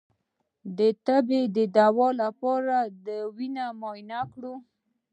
د تبې د دوام لپاره د وینې معاینه وکړئ